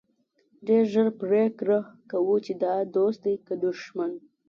ډېر ژر پرېکړه کوو چې دا دوست دی که دښمن.